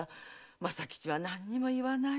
政吉は何にも言わないし。